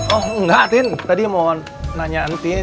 oh enggak tin tadi mau nanya antin